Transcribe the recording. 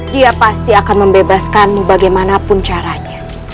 dia pasti akan membebaskanmu bagaimanapun caranya